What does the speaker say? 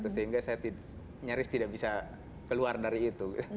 sehingga saya nyaris tidak bisa keluar dari itu